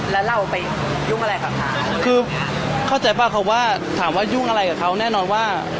แล้วเราไปยุ่งอะไรกับเขาคือเข้าใจป่ะเขาว่าถามว่ายุ่งอะไรกับเขาแน่นอนว่า